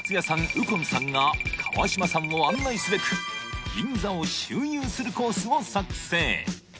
右近さんが川島さんを案内すべく銀座を周遊するコースを作成